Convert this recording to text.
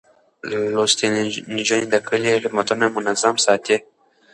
لوستې نجونې د کلي خدمتونه منظم ساتي.